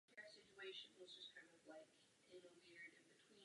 Zakřivení mělo mnoho různých podob.